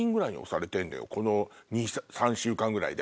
この３週間ぐらいで。